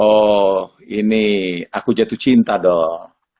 oh ini aku jatuh cinta dong